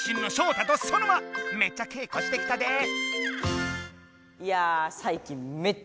めっちゃけいこしてきたでぇ。